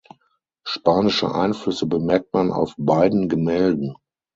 Spanische Einflüsse bemerkt man auf beiden Gemälden.